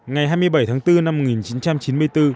ngày hai mươi bảy tháng bốn năm một nghìn chín trăm chín mươi bốn